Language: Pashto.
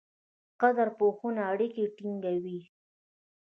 قدرپوهنه اړیکې ټینګوي.